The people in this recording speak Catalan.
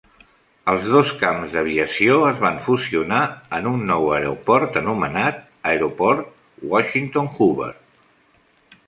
Els dos camps d'aviació es van fusionar en un nou aeroport anomenat Aeroport Washington-Hoover.